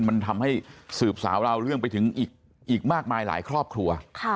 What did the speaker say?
มันทำให้สืบสาวราวเรื่องไปถึงอีกมากมายหลายครอบครัว